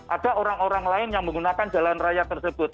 ada orang orang lain yang menggunakan jalan raya tersebut